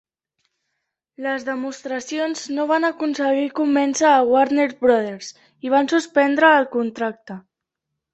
Les demostracions no van aconseguir convèncer a Warner Brothers i van suspendre el contracte.